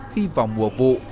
khi vào mùa vụ